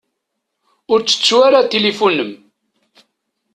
Ur ttettu ara tilifun-m.